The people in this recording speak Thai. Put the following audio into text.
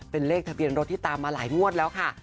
เป็นเลขทะเบียนรถที่ตามมาหลายงวดแล้วค่ะ